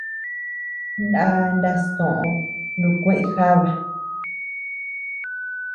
Ná nastoʼö nukueʼë jaba.